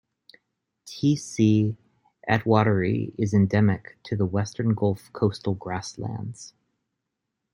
"T. c. attwateri" is endemic to the Western Gulf coastal grasslands.